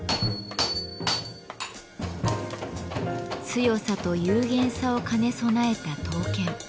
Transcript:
強さと幽玄さを兼ね備えた刀剣。